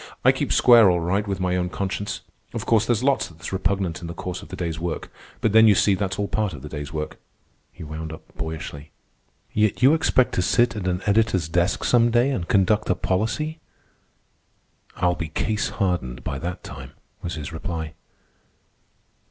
I keep square all right with my own conscience. Of course, there's lots that's repugnant in the course of the day's work. But then, you see, that's all part of the day's work," he wound up boyishly. "Yet you expect to sit at an editor's desk some day and conduct a policy." "I'll be case hardened by that time," was his reply.